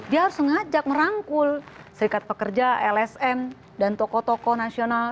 dia harus sengaja merangkul serikat pekerja lsm dan tokoh tokoh nasional